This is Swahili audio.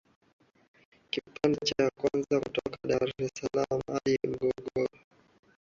Kipande cha kwanza ni kutoka dar es salaam hadi Morogoro